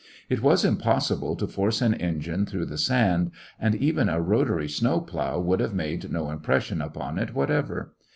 It was impossi* ble to force an engine through the sand, and even a rotary snow plow would have made no impression upon it whatever.